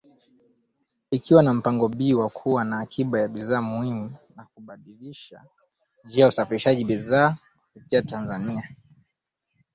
Ikiwa na mpango B wa kuwa na akiba ya bidhaa muhimu na kubadilisha njia usafarishaji bidhaa kupitia Tanzania